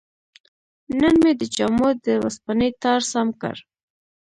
نن مې د جامو د وسپنې تار سم کړ.